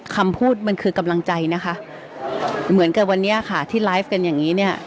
คำพูดมันคือกำลังใจนะคะเหมือนกับวันนี้ค่ะที่ไลฟ์กันอย่างนี้เนี่ย